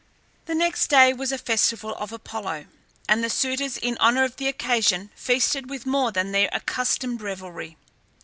The next day was a festival of Apollo, and the suitors in honour of the occasion feasted with more than their accustomed revelry.